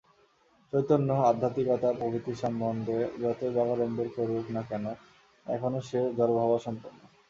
চৈতন্য, আধ্যাত্মিকতা প্রভৃতি সম্বন্ধে যতই বাগাড়ম্বর করুক না কেন, এখনও সে জড়ভাবাপন্ন।